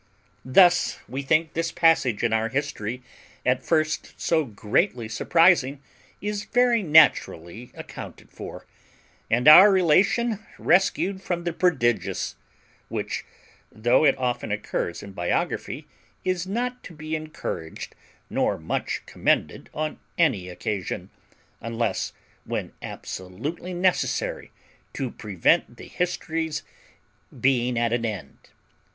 Thus we think this passage in our history, at first so greatly surprising, is very naturally accounted for, and our relation rescued from the Prodigious, which, though it often occurs in biography, is not to be encouraged nor much commended on any occasion, unless when absolutely necessary to prevent the history's being at an end.